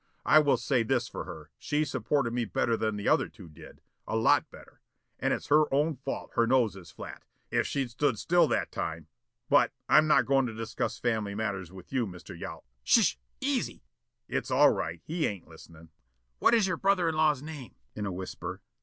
I will say this for her, she supported me better than the other two did, a lot better. And it's her own fault her nose is flat. If she'd stood still that time But I'm not goin' to discuss family affairs with you, Mr. Yol " "Sh! Easy!" "It's all right. He ain't listenin'." "What is your brother in law's name?" in a whisper.